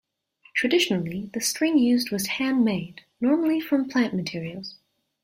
Traditionally, the string used was handmade, normally from plant materials.